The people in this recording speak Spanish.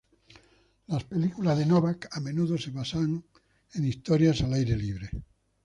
Las películas de Novak a menudo se basaban en historias al aire libre.